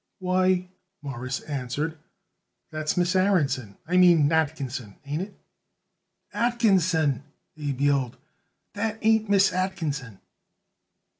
"Why," Morris answered, "that's Miss Aaronson I mean Atkinson ain't it?" "Atkinson!" Abe yelled. "That ain't Miss Atkinson."